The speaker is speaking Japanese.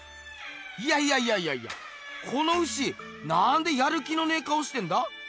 いやいやいやいやこの牛なんでやる気のねえ顔してんだ？